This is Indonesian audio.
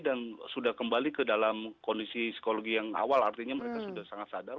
dan sudah kembali ke dalam kondisi psikologi yang awal artinya mereka sudah sangat sadar